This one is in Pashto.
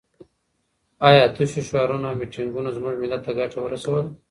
ایا تشو شعارونو او میټینګونو زموږ ملت ته ګټه ورسوله؟